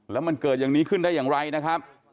แล้วมันเกิดอย่างนี้ขึ้นได้อย่างไรนะครับ